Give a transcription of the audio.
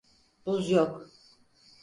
Buz yok.